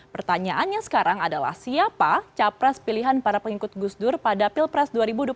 pertanyaannya sekarang adalah siapa capres pilihan para pengikut gusdur pada pilpres dua ribu dua puluh